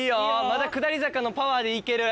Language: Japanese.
まだ下り坂のパワーで行ける。